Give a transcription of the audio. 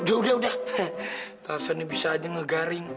udah udah udah tarzan ini bisa aja ngegaring